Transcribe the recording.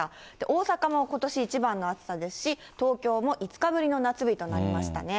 大阪もことし一番の暑さですし、東京も５日ぶりの夏日となりましたね。